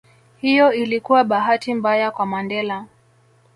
Hiyo ilikuwa bahati mbaya kwa Mandela